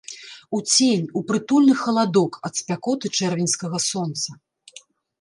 У цень, у прытульны халадок ад спякоты чэрвеньскага сонца!